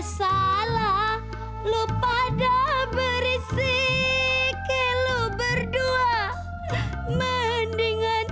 sampai jumpa di video selanjutnya